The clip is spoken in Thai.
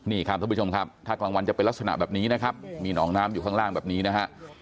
นี่ครับท่านผู้ชมครับถ้ากลางวันจะเป็นลักษณะแบบนี้นะครับมีหนองน้ำอยู่ข้างล่างแบบนี้นะฮะ